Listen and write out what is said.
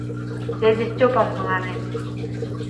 «Дядя Стёпам» мыланем.